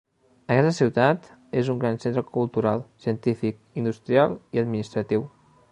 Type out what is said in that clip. Aquesta ciutat és un gran centre cultural, científic, industrial i administratiu.